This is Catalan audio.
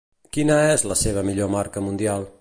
Quina és la seva millor marca mundial?